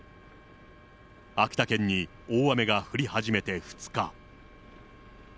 秋田県に大雨が降り始めて２日。